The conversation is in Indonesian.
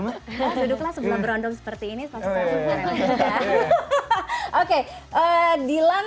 duduklah sebelum berondong seperti ini pas kita berondong